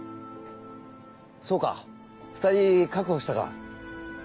そうか２人確保したか。